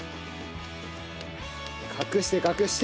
隠して隠して。